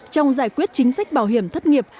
trong giải quyết chính sách bảo hiểm thất nghiệp